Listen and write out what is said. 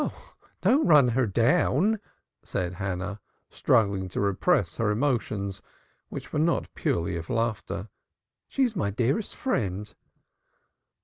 "Oh, don't run her down," said Hannah, struggling to repress her emotions, which were not purely of laughter. "She's my dearest friend."